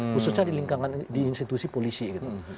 khususnya di lingkungan di institusi polisi gitu